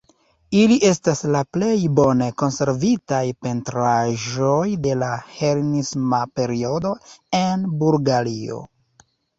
Ili estas la plej bone konservitaj pentraĵoj de la helenisma periodo en Bulgario.